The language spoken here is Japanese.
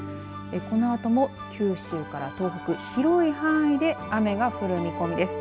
このあとも九州から東北、広い範囲で雨が降る見込みです。